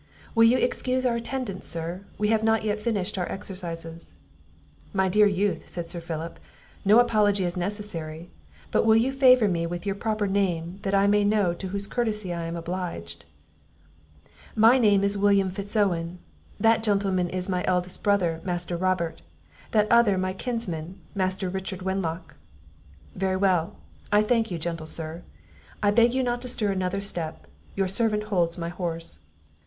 "Will you excuse our attendance, Sir? We have not yet finished our exercises." "My dear youth," said Sir Philip, "no apology is necessary; but will you favour me with your proper name, that I may know to whose courtesy I am obliged?" "My name is William Fitz Owen; that gentleman is my eldest brother, Master Robert; that other my kinsman, Master Richard Wenlock." "Very well; I thank you, gentle Sir; I beg you not to stir another step, your servant holds my horse."